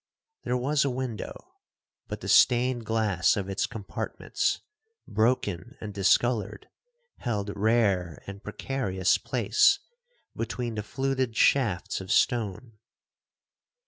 There was a window, but the stained glass of its compartments, broken and discoloured, held rare and precarious place between the fluted shafts of stone.